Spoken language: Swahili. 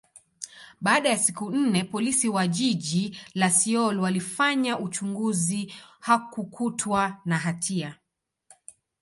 baada ya siku nne, Polisi wa jiji la Seoul walifanya uchunguzi, hakukutwa na hatia.